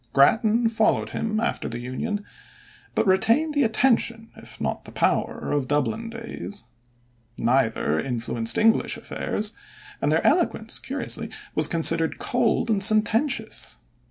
Grattan followed him after the Union, but retained the attention if not the power of Dublin days. Neither influenced English affairs, and their eloquence curiously was considered cold and sententious.